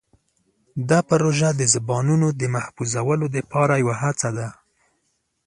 دا پروژه د زبانونو د محفوظولو لپاره یوه هڅه ده.